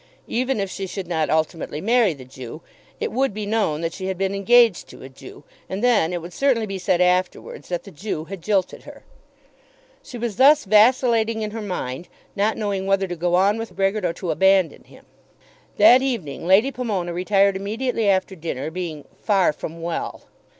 Even if she should not ultimately marry the Jew, it would be known that she had been engaged to a Jew, and then it would certainly be said afterwards that the Jew had jilted her. She was thus vacillating in her mind, not knowing whether to go on with Brehgert or to abandon him. That evening Lady Pomona retired immediately after dinner, being "far from well."